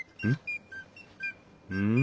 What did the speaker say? うん？